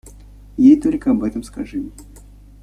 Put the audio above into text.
Ей только об этом скажи!